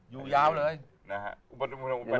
อยู่ยาวเลย